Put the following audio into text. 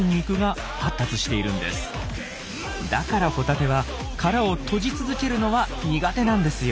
だからホタテは殻を閉じ続けるのは苦手なんですよ。